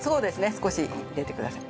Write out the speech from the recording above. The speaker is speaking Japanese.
少し入れてください。